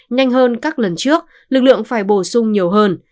nhanh hơn các lần trước lực lượng phải bổ sung nhiều hơn